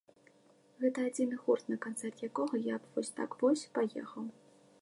Гэта адзіны гурт, на канцэрт якога я б вось так вось паехаў.